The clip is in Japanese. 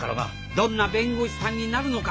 どんな弁護士さんになるのか？